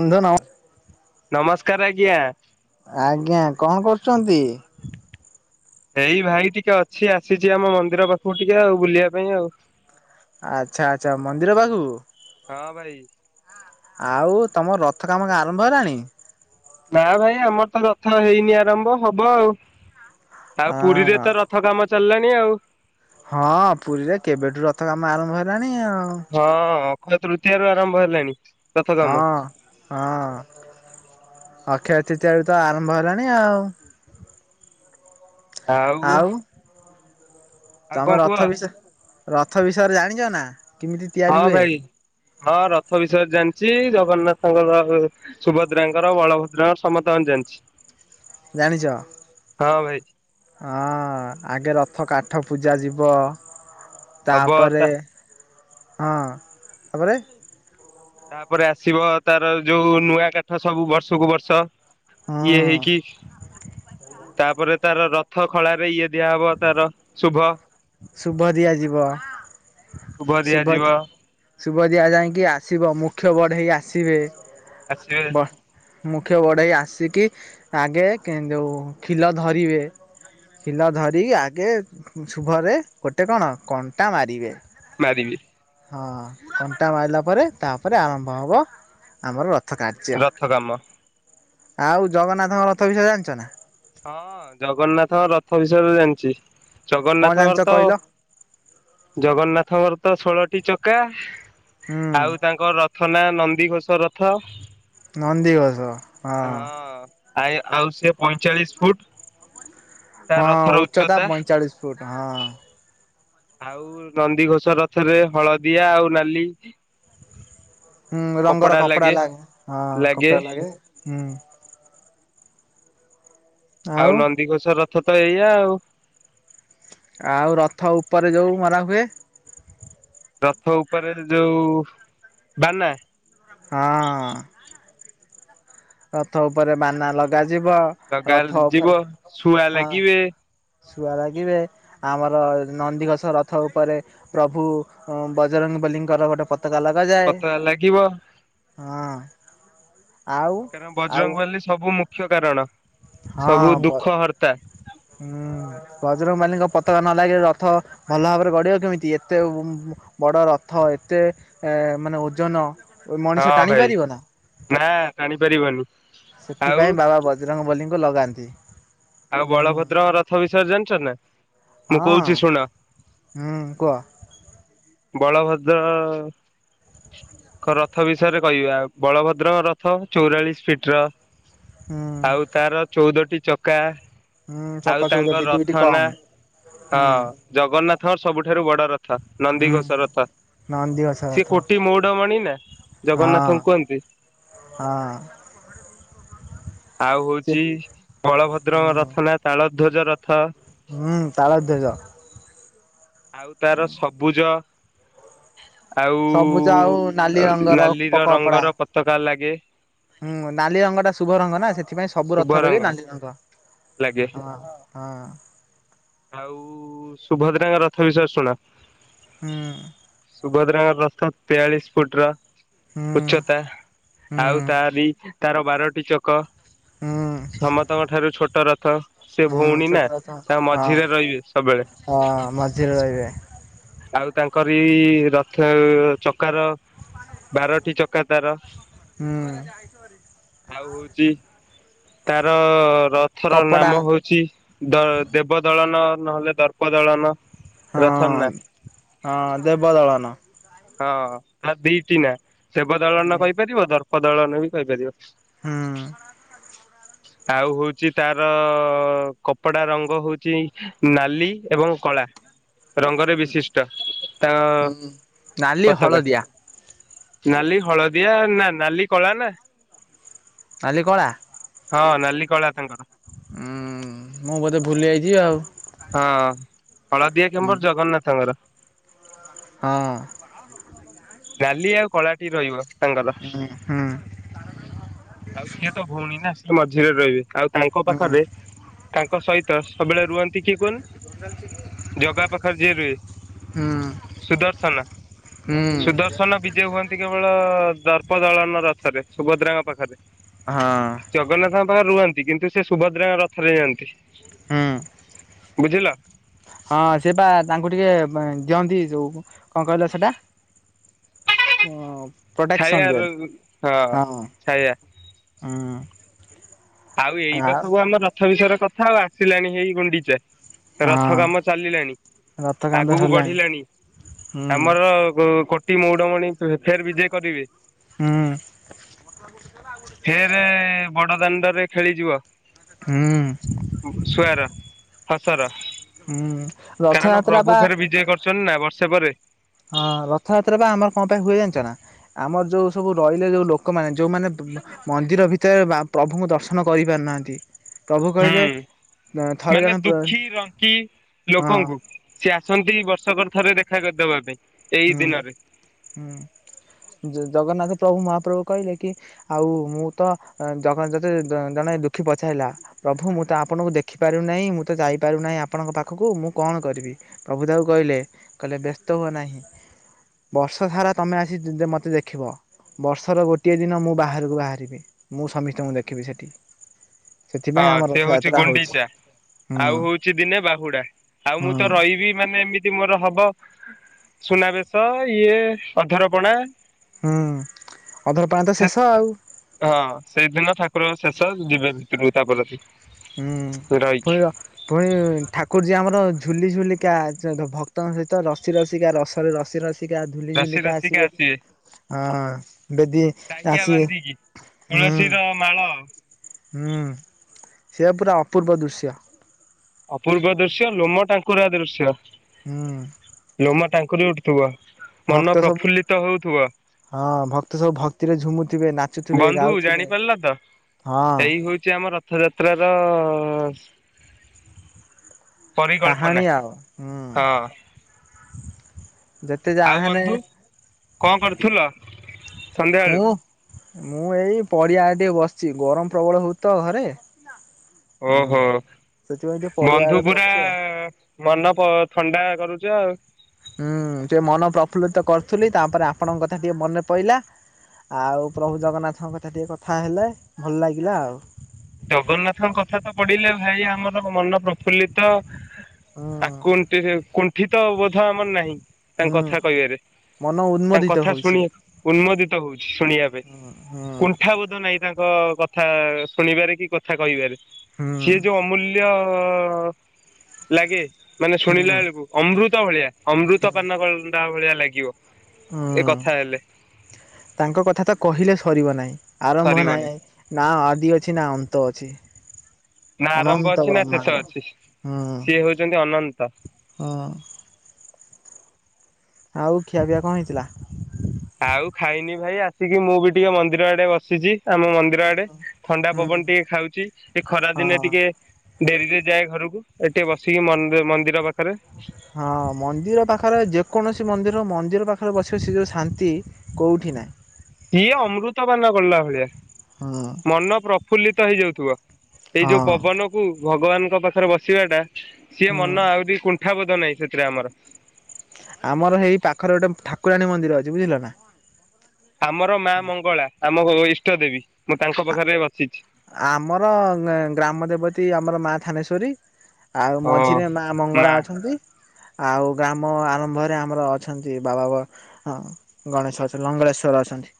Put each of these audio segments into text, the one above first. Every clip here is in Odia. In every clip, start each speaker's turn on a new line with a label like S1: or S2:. S1: ଅନ୍ଧନ
S2: ନମସ୍କାର ଆଜ୍ଞା।
S1: ଆଜ୍ଞା କଣ କରୁଛନ୍ତି?
S2: ଏଇ ଭାଇ ଟିକେ ଅଛି ଆସିଛି ଆମ ମନ୍ଦିର ପାଖକୁ ଟିକେ ଆଉ ବୁଲିବା ପାଇଁ ଆଉ।
S1: ଆଚ୍ଛା ଆଚ୍ଛା ମନ୍ଦିର ପାଖକୁ ।
S2: ହଁ ଭାଇ।
S1: ଆଉ ତମ ରଥ କାମ କ ଆରମ୍ଭ ହେଲାଣି।
S2: ନା ଭାଇ ଆମର ତ ରଥ ହେଇନି ଆରମ୍ଭ ହବ ଆଉ। ଆଉ ପୁରୀରେ
S1: ହଁ।
S2: ତ ରଥ କାମ ଚାଲିଲଣି ଆଉ।
S1: ହଁ ପୁରୀରେ କେବେଠୁ ରଥ କାମ ଆରମ୍ଭ ହେଲାଣି। [inaudible]
S2: ହ ତୃତୀୟ ର ଆରମ୍ଭ ହେଲାଣି। ରଥ କାମ।
S1: ହଁ ହଁ। ଅକ୍ଷୟ ତୃତୀୟା ରୁ ତ ଆରମ୍ଭ ହେଲାଣି ଆଉ।
S2: ଆଉ ଆଉ
S1: ତମେ
S2: କଣ କୁହ
S1: ରଥ ବିଷୟ ରଥ ବିଷୟରେ ଜାଣିଛ ନା କେମିତି ତିଆରି
S2: ହଁ
S1: ହୁଏ।
S2: ଭାଇ। ହଁ ରଥ ବିଷୟରେ ଜାଣିଚି ଜଗନ୍ନାଥଙ୍କର ସୁଭଦ୍ରାଙ୍କର ବଳଭଦ୍ରଙ୍କର ସମତଙ୍କ ର ଜାଣିଛି।
S1: ଜାଣିଚ।
S2: ହଁ ଭାଇ।
S1: ହଁ ଆଗେ ରଥ କାଠ ପୂଜା ଯିବ।
S2: ହବ
S1: ତାପରେ
S2: ତା
S1: ହଁ ତାପରେ
S2: ତାପରେ ଆସିବ ତାର ଯୋଉ ନୂଆ କାଠ ସବୁ ବର୍ଷକୁ ବର୍ଷ। ଇଏ
S1: ହଁ
S2: ହେଇକି ତାପରେ ତାର ରଥ ଖଳାରେ ଇଏ ଦିଆହବ ତାର ଶୁଭ।
S1: ଶୁଭ ଦିଆଯିବ।
S2: ଶୁଭ ଦିଆଯିବ।
S1: ଶୁଭ ଦିଆ ଯାଇକି ଆସିବ ମୁଖ୍ୟ ବଢ଼େଇ ଆସିବେ।
S2: ଆସିବେ।
S1: ବ ମୁଖ୍ୟ ବଢେଇ ଆସିକି ଆଗେ ଯୋଉ ଖିଲ ଧରିବେ ଖିଲ ଧ ରି ଆଗେ ଶୁଭରେ ଗୋଟେ କଣ କଣ୍ଟା ମାରିବେ।
S2: ମାରିବେ।
S1: ହଁ କଣ୍ଟା ମାଇଲା ପରେ ତାପରେ ଆରମ୍ଭ ହେବ ଆମର ର
S2: ରଥ କାମ।
S1: ଆଉ ଜଗନ୍ନାଥଙ୍କ ରଥ ବିଷୟରେ ଜାଣିଚ ନା।
S2: ହଁ ଜଗନ୍ନାଥଙ୍କ ରଥ ବିଷୟରେ ଜାଣିଚି।
S1: କଣ ଜାଣିଛ
S2: ଜଗନ୍ନାଥଙ୍କର ତ
S1: କହିଲ?
S2: ଜଗନ୍ନାଥଙ୍କର ତ ଷୋଳଟି ଚକା।
S1: ହୁଁ
S2: ଆଉ ତାଙ୍କ ରଥନା ନନ୍ଦି ଘୋଷ ରଥ।
S1: ନନ୍ଦିଘୋଷ।
S2: ଆ ଆଉ ସେ ପୁଣି। ଚାଳିଶ ଫୁଟ୍।
S1: ହଁ ଉଚ୍ଚତା ପଇଁଚାଳିଶ ଫୁଟ। ହଁ।
S2: ଆଉ ନନ୍ଦିଘୋଷ ରଥରେ ହଳଦିଆ ଆଉ ନାଲି।
S1: ହୁଁ ରଙ୍ଗର କପଡା ଲାଗେ ହଁ କପଡା ଲାଗେ ହୁଁ।
S2: ଆଉ ନନ୍ଦିଘୋଷର ଥ ତ ଏଇଆ ଆଉ
S1: ଆଉ ରଥ ଉପରେ ଯେଉଁ ମରା ହୁଏ?
S2: ରଥ ଉପରେ ଯୋଉ ବାନା
S1: ହଁ। ରଥ ଉପରେ ବାନା ଲଗା
S2: ଲଗା ଯିବ ଶୁଆ
S1: ହଁ
S2: ଲାଗିବେ
S1: ଶୁଆ ଲାଗିବେ ଆମର ନନ୍ଦିଘୋଷ ରଥ ଉପରେ ପ୍ରଭୁ ବଜରଙ୍ଗ ବଲିଙ୍କର ଗୋଟେ ପ ପତକା ଲାଗ ଯାଏ
S2: ପତଳା ଲାଗିବ
S1: ହଁ। ଆଉ
S2: କାରଣ
S1: ଆଉ
S2: ବଜରଙ୍ଗବାଲି ସବୁ ମୁ ମୁଖ୍ୟ କାରଣ।
S1: ହଁ
S2: ସବୁ
S1: ବ
S2: ଦୁଃଖ ହର୍ତ୍ତା
S1: ହୁଁ। ବଜରଙ୍ଗବାଲିଙ୍କ ପତାକା ନ ଲାଗିଲ ରଥ ଭଲ ଭାବରେ ଗଢଡ଼ିବ କେମିତି ଏତେ ବଡ଼ ରଥ ଏତେ ମାନେ ଓଜନ
S2: ହଁ
S1: ମଣିଷ ଟାଣି
S2: ଭାଇ
S1: ପାରିବ ନା
S2: ନା ଟାଣି ପାରିବନି। ଆଉ
S1: ସେଥିପାଇଁ ବାବା ବଜରଙ୍ଗ ବଲି ଲଗାନ୍ତି।
S2: ଆଉ
S1: ହୁଁ।
S2: ବଳଭଦ୍ରଙ୍କ ରଥ ବିସର୍ଜନଛନ
S1: ହଁ ହୁଁ କୁହ।
S2: ବଳଭଦ୍ର ରଥ ବିଷୟରେ କହିବା ବଳଭଦ୍ର ରଥ ଚଉରାଳିଶ ଫିଟ ର।
S1: ହୁଁ
S2: ଆଉ ତାର ଚଉଦଟି ଚକା
S1: ହୁଁ
S2: ଆଉ ତାଙ୍କ
S1: ଚକଚଉଦଟି ଦୁଇଟି
S2: ରଥନା
S1: କମ୍
S2: ହଁ
S1: ହୁଁ
S2: ଜଗନ୍ନାଥ ରଥର ସବୁଠାରୁ ବଡ ରଥ। ନନ୍ଦି
S1: ହୁଁ
S2: ଘୋଷରଥ
S1: ନନ୍ଦିଘୋଷ
S2: ସିଏ
S1: ରଥ
S2: କୋଟି ମଉଢମଣି ନା
S1: ହଁ
S2: ଜଗନ୍ନାଥଙ୍କୁ କୁହନ୍ତି।
S1: ହଁ
S2: ଆଉ
S1: ସେ
S2: ହଉଛି ବଳଭଦ୍ର
S1: ହୁଁ
S2: ରଥନା ତାଳ ଧ୍ୱଜର
S1: ହୁଁ ତାଳଧ୍ୟୋଜ।
S2: ଆଉ ତାର ସବୁଜ କ
S1: ସବୁଜ ନାଲି
S2: ଆଉ
S1: ରଙ୍ଗର
S2: ନାଲି ର
S1: ପକପଡା
S2: ରଙ୍ଗର ପତାକା ଲାଗେ [inaudible]
S1: ହୁଁ ନାଲି ରଙ୍ଗଟା ଶୁଭ ରଙ୍ଗ ନା ସେଥିପାଇଁ ସବୁ ରଥରେ ବି ନାଲି ରଙ୍ଗ
S2: ଲାଗେ
S1: ହଁ ହଁ।
S2: ଆଉ ସୁଭଦ୍ରାଙ୍କ ର ତ ବିିଶୟ ରେ ଶୁଣ।
S1: ହୁଁ।
S2: ସୁଭଦ୍ରା ରଥ ତେୟାଳିଶ ଫୁଟ ର।
S1: ହୁଁ
S2: ଉଚ୍ଚତା
S1: ହୁଁ
S2: ଆଉ ତାରି ତାର ବାରଟି ଚକ।
S1: ହୁଁ
S2: ସମସ୍ତଙ୍କ ଠାରୁ ଛୋଟ ଅଟ ରଥ। ସେ
S1: ହୁଁ
S2: ଭଉଣୀ
S1: ଛୋଟ
S2: ନା
S1: ରଥ
S2: ତାଙ୍କ
S1: ହଁ
S2: ମଝିରେ ରହିବେ ସବୁବେଳେ।
S1: ହଁ ମଝିରେ ରହିବେ
S2: ଆଉ ତାଙ୍କରଇ ରଥ ଚକାର ର ବାରଟି ଚକା ଦ୍ୱାରା
S1: ହୁଁ
S2: ଆଉ ହଉଚି ତାର ରଥ ର
S1: କପଡ଼ା
S2: ନାମ ହଉଛି ଦ ଦେବ ଦଳନ ନହେଲେ ଦର୍ପ ଦଳନ ରଥନ୍
S1: ହଁ
S2: ନାଥ
S1: ହଁ ଦେବ ଦଳନ।
S2: ହଁ। [unintelligible] ଦେବ
S1: ହୁଁ।
S2: ଦଳନ କହିପାରିବ ଦର୍ପ ଦର୍ପ ଦଳନ ବି କହିପାରିବ
S1: ହୁଁ।
S2: ଆଉ ହଉଛି ତାର କପଡା ରଙ୍ଗ ହଉଛି ନାଲି ଏବଂ କଳା ରଙ୍ଗରେ ବି
S1: ହୁଁ ନାଲି
S2: ପତାକା
S1: ହଳଦିଆ।
S2: ନାଲି ହଳଦିଆ ନା ନାଲି କଳା ନା [unintelligible]
S1: ଅଲିିକଳା।
S2: ହଁ ନାଲି କଳା ଆ ତାଙ୍କର
S1: ହୁଁ ମୁଁ ବୋଧେ ଭୁଲି ଯାଇଛିିବ ଆଉ।
S2: ହଁ। ହଳଦିଆ କେମ୍ବର ଜଗନ୍ନାଥଙ୍କର।
S1: ହଁ।
S2: ନାଲିଆ ଆଉ କଳାଟିି ରହିବ।
S1: ହୁଁ।
S2: [unintelligible] ଆଉ ସିଏ ତ ଭଉଣୀ ନା। ମଝିରେ ରହିବି ଆଉ ତାଙ୍କ
S1: ହଁ
S2: ପାଖରେ ତାଙ୍କ ସହି ତ ସବୁବେଳେ ରୁହନ ଟିକେ ଖୁଲ୍ ଜଗା ପାଖରେ ଯିଏ ରୁହେ ସୁଦର୍ଶନ
S1: ହୁଁ
S2: ସୁଦର୍ଶନ ବିଜେ ହୁଅନ୍ତି କେବଳ ଦର୍ପ ଦଳନ ରଥରେ। ସୁଭଦ୍ରାଙ୍କ ପାଖରେ
S1: ହଁ।
S2: ପାରେ ରୁହନ୍ତି କିନ୍ତୁ ସେ ସୁଭଦ୍ରାଙ୍କ ରଥରେ ଯାଆନ୍ତି।
S1: ହୁଁ।
S2: ବୁଝିଲ?
S1: ହଁ ସେ ବା ତାଙ୍କୁ ଟିକେ ବ୍ ଦିଅନ୍ତି ଯୋଉ କଣ କହିଲ ସେଇଟା? ହ
S2: ଛାୟା
S1: ପ୍ରୋଟେକ୍ସନ ଦିଅନ୍ତିୁ
S2: ହଁ
S1: ହଁ
S2: ଛାୟା
S1: ହୁଁ। ହ
S2: ଆଉ ଏଇତ ସବୁ ଆମ ରଥ ବିଷୟରେ। କଥା ଆଉ ଆସିଲାଣି ହେଇ ଗୁଣ୍ଡିଚା। ରଥ
S1: ହଁ
S2: କାମ ଚାଲିଲାଣି
S1: ରଥ କାନ୍ଧ
S2: ଆଗକୁ
S1: ହେଲାଣି
S2: ବଢିଲାଣି
S1: ହୁଁ
S2: ଆମର କୋ ଟି ମଉଡମଣିୁ ଫେର ବିଜେ କରିବେ।
S1: ହୁଁ
S2: ଫେରେ ବଡ ଦାଣ୍ଡରେ। ଖେଳିଯିବ।
S1: ହୁଁ।
S2: ଫସର।
S1: ହୁଁ ରଥଯାତ୍ରା ପା
S2: ସେପରେ
S1: ହଁ ରଥଯାତ୍ରା ବା ଆମର କଣ ପାଇଁ ହୁଏ ଜାଣିଚ ନା ଆମର ଯୋଉ ସବୁ ରହିଲେ ଯୋଉ ଲୋକମାନୋନ ଯୋଉମାନେ ମନ୍ଦିର ଭିତରେ ପ୍ରଭୁଙ୍କୁ ଦର୍ଶନ କରି ପାରୁନାହାନ୍ତି।
S2: ହୁଁ ମାନେ
S1: ଜଣେ ପ୍ର
S2: ଦୁଃଖୀ ରଙ୍କି
S1: ହଁ
S2: ଲୋକଙ୍କୁ ସେ ଆସନ୍ତି ବର୍ଷକର ଥରେ ଦେ [unintelligible] କରିଦବା ପାଇଁ ଏଇ
S1: ହୁଁ
S2: ଦିନରେ
S1: ହୁଁ ଜଗନ୍ନାଥ ପ୍ରଭୁ ମହା ପ୍ରଭୁ କହିଲେ କି ଆଉ ମୁଁ ତ ଜଗତେ ଜଣେ ଦୁଃଖୀ ପଚାରଲା ପ୍ରଭୁ ମୁଁ ତ ଆପଣଙ୍କୁ ଦେଖିପାରୁନାହିଁ ମୁଁ ତ ଯାଇପାରୁନାହିଁ ଆପଣଙ୍କ ପାଖକୁ ମୁଁ କଣ କରିବି ପ୍ରଭୁ ତାକୁ କହିଲେ କହିଲେ ବ୍ୟସ୍ତ ହୁଅ ନାହିଁ। ବର୍ଷ ସାରା ତୁମେ ଆସି ମୋତେ ଦେଖିବ ବର୍ଷର ଗୋଟିଏ ଦିନ ମୁଁ ବାହାରକୁ ବାହାରିବି ମୁଁ ସମିସ୍ତିଙ୍କୁ ଦେଖିବି ସେଠି
S2: ହଁ
S1: ସେଥିପାଇଁ ଆମ
S2: ସେ ହଉଛି
S1: ରଥଯାତ୍ରା
S2: ଗୁଣ୍ଡିଚା ଆଉ
S1: ହୁଁ
S2: ହଉଚି ଦିନେ ବାହୁଡା ଆଉ ମୁଁ ତ
S1: ହୁଁ।
S2: ରହିବି ମାନେ ଏମି ତି ମୋର ହବ ସୁନାବେଶ ଇଏ ଅଧରପଣା।
S1: ହୁଁ ଅଧର ପାଆଁ ତ ଶେଷ ଆଉ।
S2: ପ ଶେଷ ଯିବେ [unintelligible]
S1: ହୁଁ
S2: ରହିକି
S1: ପୁଣି ପୁଣି ଠାକୁର ଯେ ଆମର ଝୁଲି ଝୁଲିିକା ଭକ୍ତଙ୍କ ସହିତ ରସି ରସିିକା ରସରେ ରସି ରସି। କା ଝୁଲି
S2: ରସି
S1: ଝୁଲି କା
S2: ରସିକା ଆସିବେ
S1: ଝୁଲିକା ଆସିବେ ହଁ ଯଦି
S2: ଟାହିଆ
S1: ଆସିବେ
S2: ବାନ୍ଧିକି
S1: ହୁଁ।
S2: ତୁଳସୀର ମାଳ
S1: ହୁଁ ସେ ପୁରା ଅପୂର୍ବ ଦୃଶ୍ୟ।
S2: ଅପୂର୍ବ ଦୃଶ୍ୟ ଲୋମ ଟାଙ୍କୁରା ଦୃଶ୍ୟ।
S1: ହୁଁ
S2: ଲୋମ ଟାଙ୍କୁରି ଉଠୁଥିବ ମନ
S1: ଭକ୍ତ ସବୁ
S2: ପ୍ରଫୁଲ୍ଲିତ ହଉଥିବ
S1: ହଁ ଭକ୍ତ ସବୁ ଭକ୍ତିରେ ଝୁମୁଥିବେ ନା
S2: ବନ୍ଧୁ ଜାଣିପାରିଲା ତ
S1: ହଁ
S2: ଏଇ ହଉଚି ଆମ ରଥଯାତ୍ରାର ପାଞ୍ଚ।
S1: କାହାଣୀ
S2: ପରିକଳ୍ପନା
S1: ଆଉ ହୁଁ
S2: ହଁ।
S1: ଯେତେ
S2: ଆଉ
S1: ଯାହାହେଲେ
S2: ବନ୍ଧୁ କଣ କରୁଥୁଲ? ସନ୍ଧ୍ୟାବେଳୁ।
S1: ମୁଁ ମୁଁ ଏଇ ପଡିଆ ଆ ଟିକେ ବସିଛି ଗରମ ପ୍ରବଳ ହଉଚି ତ ଘରେ। ହୁଁ।
S2: ଓହୋ
S1: ସେଥିପାଇଁ ଟିକେ ପଡିଆ
S2: ବନ୍ଧୁ
S1: ଆଡେ
S2: ପୁରା
S1: ବସିଛୁ ଆଉ।
S2: ମନ ଥଣ୍ଡା କରୁ ଚ
S1: ହୁଁ ସେ ମନ ପ୍ରଫୁଲ୍ଲିତ କରୁଥିଲି ତାପରେ ଆପଣଙ୍କ କଥା ଟିକେ ମନେ ପଇଲା ଆଉ ପ୍ରଭୁ ଜଗନ୍ନାଥଙ୍କ କଥା ଟିକେ କଥା ହେଲେ ଭଲ ଲାଗିଲା ଆଉ।
S2: ଜଗନ୍ନାଥଙ୍କ କଥା ତ ପଢିଲେ ଭାଇ ଆମର ମନ ପ୍ରଫୁଲ୍ଲିତ।
S1: ହୁଁ
S2: ଆକୁନ୍ ଟିହି କୁନ ଠିତ ବୋଧ ଆମର ନାହିଁ। ତାଙ୍କ
S1: ହୁଁ।
S2: କଥା କହିବାରେ
S1: ମନ
S2: ତାଙ୍କ
S1: ଉନ୍ମୋଦିତ
S2: କଥା
S1: ହଉଛି
S2: ଶୁଣି ଉନ୍ମୋଦି ହଉଛି। ଶୁଣିବା ପାଇଁ
S1: ହୁଁ ହୁଁ
S2: କୁଣ୍ଠାବୋଧ ନାହିଁ ତାଙ୍କ କ କଥା ଶୁଣିବାରେ କି କି କଥା କହିବାରେ।
S1: ହୁଁ
S2: ସେ ଯୋଉ ଅମୂଲ୍ୟ ହଁ ଲାଗେ ମାନେ ଶୁଣିଲା
S1: ହୁଁ।
S2: ବେଳକୁ ଅମୃତ ତ ଭଳିଆ। ଅମୃତ ପାନ କ ଅଣ୍ଡା ଭଳିଆ ଲାଗିବ। ଏ କଥା ହେଲେ
S1: ହୁଁ ତାଙ୍କ କଥା ତ କହିଲେ ସରିବ ନାହିଁ। ଆରମ୍ଭ
S2: ସରିବନି
S1: ନହିଁ ନା ଆଦି ଅଛି ନା ଅନ୍ତ ଅ ଆଛିି।
S2: ନା ଆରମ୍ଭ ଅଛି ନା ଶେଷ ଅଛି
S1: ହୁଁ
S2: ସିଏ ହଉଛନ୍ତି ଅନନ୍ତ।
S1: ହୁଁ ଆଉ ଖିଆପିଆ କଣ ହେଇଥିଲା?
S2: ଆଉ ଖାଇନି ଭାଇ ଆସିକି ମୁଁ ବି ଟିକେ ମନ୍ଦିର ଆଡେ ବସିଛି। ଆମ ମନ୍ଦିର ଆଡେ ଥଣ୍ଡା
S1: ହୁଁ
S2: ପବନ ଟିକେ ଖାଉଛି ଏ ଖରା ଦିନେ
S1: ହଁ
S2: ଟିକେ ଡେରିରେ ଯାଏ ଘରକୁ ଏଠି ଟିକେ ବସିକି ମନ୍ ମନ୍ଦିର ପାଖରେ
S1: ହଁ ମନ୍ଦିର ପାଖରେ ଯେକୌଣସି ମନ୍ଦିର ର ମନ୍ଦିର ପାଖରେ ବସିବା ସିଏ ଯଉ ଶାନ୍ତି କେଉଁଠି ନାହିଁ।
S2: ଇଏ ଅମୃତ ପାନ କଲା ଭଳିଆ।
S1: ହୁଁ
S2: ମନ ପ୍ରଫୁଲ୍ଲିତ ହେଇଯାଉଥିବ ଏଇ ଯୋଉ
S1: ହଁ
S2: ପବନକୁୁ ଭଗବାନ [inaudible] ପାଖରେ ବସିବା ଟା ସିଏ
S1: ହୁଁ
S2: ମନ ଆଉ କୁନ୍ ଣ୍ଠା ବୋଧ ନାହିଁ ସେଥିରେ ଆମର।
S1: ଆମର ଏଇ ପାଖରେ ଗୋଟେ ଠାକୁରାଣୀ ମନ୍ଦିର ଅଛି ବୁଝିଲ ନା
S2: ଆମର ମା ମଙ୍ଗଳା ଆ ଆମ ଇଷ୍ଟ ଦେବୀ ମୁଁ ତାଙ୍କ ପାଖରେ ବସିଛି।
S1: ଆମର ଗ୍ରାମ ଦେବତୀ ଆମର ମା ଥାନେଶ୍ଵରୀ। ଆଉ
S2: ହଁ।
S1: ମଝିରେ ମା ମଙ୍ଗଳା ଅଛନ୍ତି। ଆଉ ଗ୍ରାମ ଆରମ୍ଭରେ ଆମର ଅଛନ୍ତି ବାବା ଅଁ ଗଣେଶ ଅଛନ୍ତି। ଲଙ୍ଗଳେଶ୍ଵର ଅଛନ୍ତି ।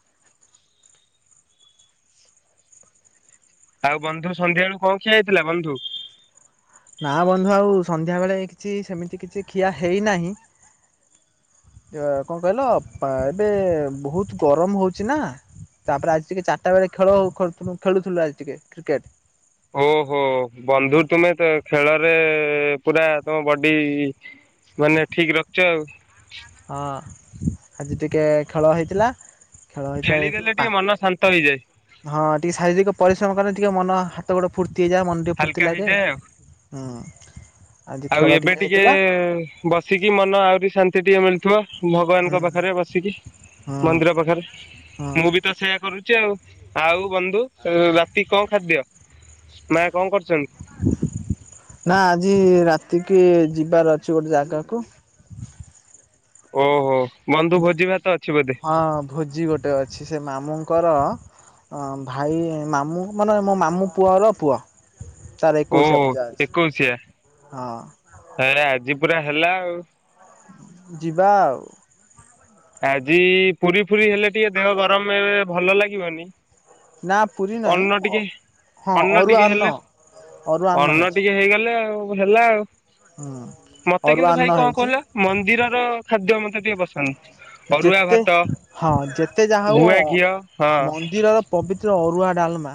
S2: ଆଉ ବନ୍ଧୁ ସନ୍ଧ୍ୟାବେଳୁ କଣ ଖିଆ ହେଇଥିଲା ବନ୍ଧୁ?
S1: ନା ବନ୍ଧୁ ଆଉ ସନ୍ଧ୍ୟାବେେଳେ କିଛି ସେମିତି କିଛି ଖିଆ ହେଇନାହିଁ। ଇଏ କଣ କଇଲ ପା ଏବେ ବହୁତ ଗରମ ହଉଛି ନା ତାପରେ ଆଜି ଟିକେ ଚାରଟା ବେଳେ ଖେଳ ଖେଳୁଥୁଲୁ ଖେଳୁଥୁଲୁ ଆଜି ଟିକେ କ୍ରିକେଟ।
S2: ଓ ହୋ ବନ୍ଧୁ
S1: ହଁ
S2: ତୁମେ ତ ଖେଳରେ ପୁରା ତମ ବଡି ମାନେ ଠିକ ରଖିଚ ଆଉ।
S1: ହଁ ଆଜି ଟିକେ ଖେଳ ହେଇଥିଲା। ଖେଳ ହେଇଥିଲା ଯେହେତୁ
S2: ଖେଳିଦେଲେ
S1: ପା
S2: ଟିକେ ମନ ଶାନ୍ତ ହେଇଯାଏ
S1: ହଁ ଟିକେ ଶାରୀରିକ ପରିଶ୍ରମ କଲେ ଟିକେ ମନ ହାତ ଗଡ଼ ଫୁ
S2: ହାଲକା ହେଇଯାଏ ଆଉ
S1: ହୁଁ ଆଜି
S2: ଆଉ
S1: ଖେଳ
S2: ଏବେ ଟିକେ
S1: ହେଇଥିଲା
S2: ବସିକି ମନ ଆହୁରି ଶାନ୍ତି ଟିକେ ମିଳ୍ [unintelligible]
S1: ହୁଁ
S2: ଭଗବାନଙ୍କ ପାଖରେ ବସିକି
S1: ହଁ
S2: ମନ୍ଦିର ପାଖେରେ
S1: ହଁ।
S2: ମୁଁ ବି ତ ସେୟା କରୁ ଚି ଆଉ ଆଉ ବନ୍ଧୁ ରାତି କଣ ଖାଦ୍ୟ? ମା କଣ କରୁଚନ୍ତି?
S1: ନା ଆଜି ରାତିକି ଯିବାର ଅଛି ଗୋଟେ ଜାଗାକୁ
S2: ଓ ହୋ।
S1: ହଁ ଭୋଜି ଗୋଟେ ଅଛି ସେ ମାମୁଁ ଙ୍କର ଭାଇ ମାମୁଁ ମାନେ ମୋ ମାମୁଁ ପୁଅର ପୁଅ। ତାର ଏକୋଇଶିଆ ପୂଜା
S2: ଓଃ
S1: ଅଛି।
S2: ଏକୋଇଶିଆ
S1: ହଁ
S2: ତାହାଲେ ଆଜି ପୁରା ହେଲା ଆଉ।
S1: ଯିବା ଆଉ।
S2: ଆଜି ପୁରି ଫୁରି ହେଲେ ଟିକେ ଦେହ ଗରମ ଏବେ ଭଲ ଲାଗିବନି।
S1: ନା ପୁରୀ ନାହିଁ
S2: ଅନ୍ନ ଟିକେ
S1: ହଁ
S2: ଅନ୍ନ
S1: ଅରୁଆ
S2: ଟିକେ ହେଲେ
S1: ଅରୁଆ
S2: ଅନ୍ନ
S1: ହେଇଛି
S2: ଟିକେ ହେଇଗଲେ ଆଉ। ହେଲା ଆଉ।
S1: ହୁଁ
S2: ମତେ
S1: ଅରୁଆ
S2: କିନ୍ତୁ
S1: ଅନ୍ନ
S2: ଭାଇ କଣ
S1: ହେଇଛି।
S2: କହିଲ ମନ୍ଦିରର ଖାଦ୍ୟ ମ ଟିକେ ପସନ୍ଦ। ଅରୁଆ
S1: ଯେତେ
S2: ଭାତ
S1: ହଁ ଯେତେ ଯାହା ହଉ
S2: ଗୁଆ ଘିଅ ହଁ
S1: ଅଁ ମନ୍ଦିରର ପବିତ୍ର ଅ ରୁଆ ଡାଲମା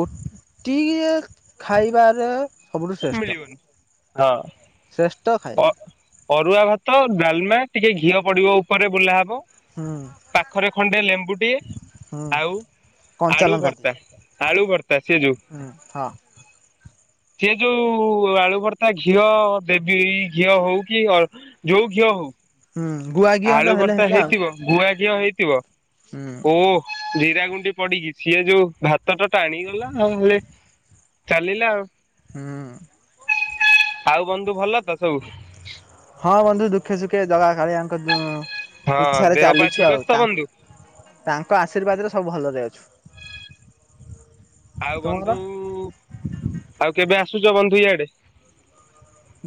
S1: କୋଟିଏ ଖାଇବାରେ ସବୁଠୁ ଶ୍ରେଷ୍ଠ
S2: ମିଳିିବନି ହଁ
S1: ଶ୍ରେଷ୍ଠ
S2: ଅଁ
S1: ଖାଇବା
S2: ଅଁ। ଅରୁଆ ଭାତ ଡାଲମା ଟିକେ ଘିଅ ପଡିବ ଉପରେ ବୁଲା ହବ।
S1: ହୁଁ
S2: ପାଖରେ ଖଣ୍ଡେ ଲେମ୍ବୁଟିଏ
S1: ହୁଁ
S2: ଆଉ ଆଳୁ
S1: କଞ୍ଚାଲଙ୍କା ଦିଏ
S2: ଭର୍ତ୍ତା ଆଳୁ ଭର୍ତ୍ତା ସେ ଯୋଉ।
S1: ହୁଁ ହଁ
S2: ସେ ଯୋଉ ଆଳୁ ଭର୍ତା ଘିଅ ଦେବି ଘିଅ ହଉ କି ଯୋଉ ଘିଅ ହଉ।
S1: ହୁଁ ଗୁଆ ଘିଅ ହେଲେ
S2: ଆଳୁ
S1: ହେଲେ
S2: ଭର୍ତ୍ତା
S1: ହେଲା ଆଉ।
S2: ହେଇଥିବ ଗୁଆ ଘିଅ ହେଇ ଥିବ।
S1: ହୁଁ
S2: ଓ ଜିରା ଗୁ ପଡିକି ସିଏ ଯୋଉ ଭାତଟା ଟାଣିଗଲା ଆଉ ହେଲେ ଚାଲିଲା ଆଉ।
S1: ହୁଁ।
S2: ଆଉ ବନ୍ଧୁ ଭଲ ତ ସବୁ।
S1: ହଁ ବନ୍ଧୁ ଦୁଃଖେ ସୁଖେ ଜଗା କାଳିଆଙ୍କ ଯୋଉ
S2: ହଁ
S1: ଇଛାରେ
S2: ଦେହ ପା
S1: ଚାଲଛୁ
S2: ଠିକ
S1: ଆଉ
S2: ଅଛି ତ ବନ୍ଧୁ?
S1: ତାଙ୍କ ତାଙ୍କ ଆଶୀର୍ବାଦରେ ସବ୍ ଭଲରେ ଅଛୁ।
S2: ଆଉ
S1: ତୁମର?
S2: ବନ୍ଧୁ ଆଉ କେବେ ଆସ ଆସୁଛ ବନ୍ଧୁ ଇଆଡେ?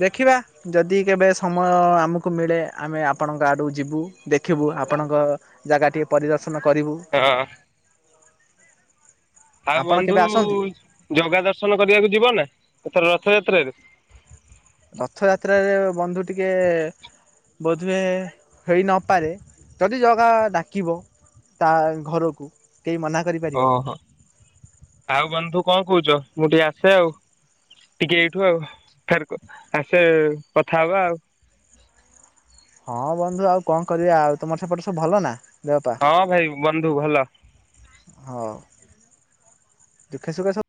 S1: ଦେଖିବା ଯଦି କେବେ ସମୟ ଆମକୁ ମିଳେ ଆମେ ଆପଣଙ୍କ ଆଡ଼କୁ ଯିବୁ। ଦେଖିବୁ ଆପଣଙ୍କ ଜାଗାଟିଏ ପରିବ ଦର୍ଶନ କରିବୁ।
S2: ହଁ ଆଉ
S1: ଆପଣ
S2: ବନ୍ଧୁ
S1: କେବେ ଆସନ୍ତୁ?
S2: ଜଗା ଦର୍ଶନ କରିବାକୁ ଯିବ ନା? ରଥଯାତ୍ରାରେ।
S1: ରଥଯାତ୍ରାରେ ବନ୍ଧୁ ଟିକେ ବୋଧ ହୁଏ ହେଇନପାରେ ଯଦି ଜଗା ଡାକିବ ତା ଘରକୁ। କେହି ମନା କରିପାରିବ?
S2: ଓହୋ ଆଉ ବନ୍ଧୁ କଣ କହୁଛ? ମୁଁ ଟିକେ ଆସେ ଆଉ ଟିକେ ଏଇଠୁ ଆଉ ଫେର ଆସେ କଥା ହବା ଆଉ।
S1: ହଁ ବନ୍ଧୁ ଆଉ କଣ କରିବା ଆଉ ତମର ସେପଟ ସବୁ ଭଲ ନା। ଦେହପା
S2: ହଁ ଭାଇ ବନ୍ଧୁ ଭଲ।
S1: ହଉ। ଦୁଃଖେ ସୁଖ ସବୁ